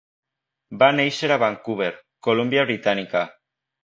Va néixer a Vancouver, Columbia Britànica.